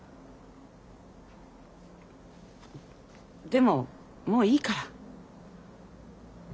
でももういいから。